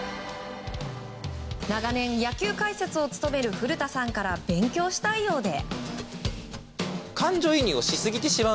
長年、野球解説を務める古田さんから勉強したいようで。